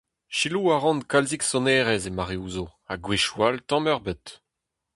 Selaou a ran kalzik sonerezh e mareoù zo, ha gwechoù all tamm ebet.